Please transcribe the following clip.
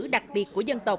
đặc biệt của dân và du khách